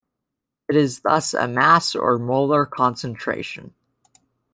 It is thus a mass or molar concentration.